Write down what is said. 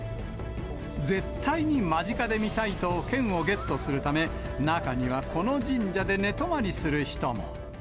絶対に間近で見たいと、券をゲットするため、中にはこの神社で寝泊まりする人も。